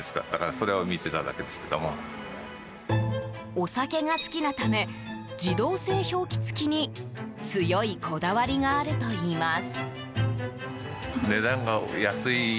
お酒が好きなため自動製氷機付きに強いこだわりがあるといいます。